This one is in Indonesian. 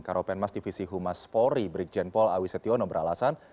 karopenmas divisi humas polri brigjen paul awisetiono beralasan